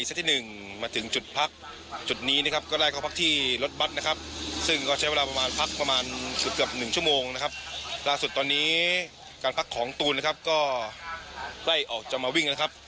เชิญเลยครับ